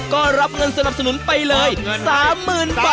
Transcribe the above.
ก็รับเงินสำหรับสนุนไปเลยสามหมื่นบาท